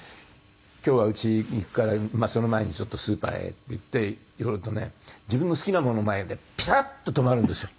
今日は家行くからその前にちょっとスーパーへっていって寄るとね自分の好きなものの前でピタッと止まるんですよ。